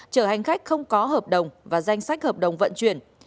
chở hành khách không có hợp đồng và danh sách hợp đồng vận chuyển